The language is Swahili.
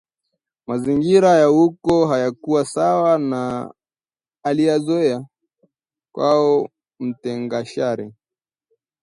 mazingira ya huko hayakua sawa na aliyoyazoea kwao Mtengashari